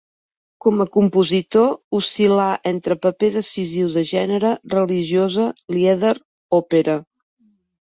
Com a compositor oscil·là entre el paper decisiu de gènere, religiosa, lieder, òpera.